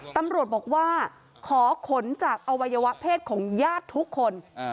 ตำรวจบอกว่าขอขนจากอวัยวะเพศของญาติทุกคน